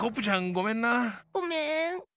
ごめん。